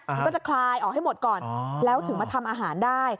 มันก็จะคลายออกให้หมดก่อนแล้วถึงมาทำอาหารได้